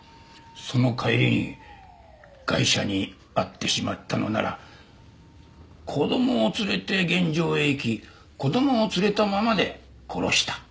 その帰りにガイシャに会ってしまったのなら子供を連れて現場へ行き子供を連れたままで殺した。